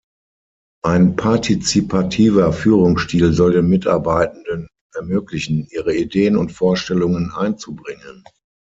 Ein partizipativer Führungsstil soll den Mitarbeitenden ermöglichen, ihre Ideen und Vorstellungen einzubringen.